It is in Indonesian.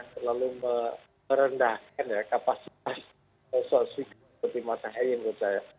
terlalu merendahkan ya kapasitas sosial seperti matahari menurut saya